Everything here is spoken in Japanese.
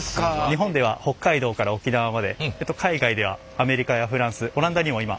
日本では北海道から沖縄まで海外ではアメリカやフランスオランダにも今展開しております。